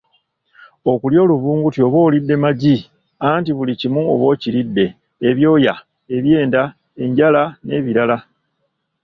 Okulya oluvulunguti oba olidde magi anti buli kimu oba okiridde ebyoya, ebyenda, enjala n'ebirala.